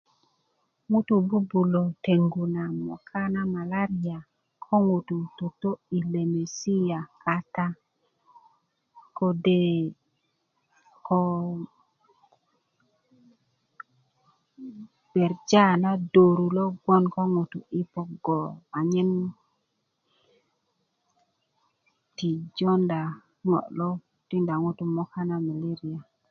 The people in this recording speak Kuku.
ŋutu bu'bulö tengu na moga na malaria ko ŋutu toto i lemesia kata kode' ko jenda na 'doru loŋ gboŋ ko ŋutu i pogo anyen ti jonda ŋo lo tiida ŋutubi moka na meleria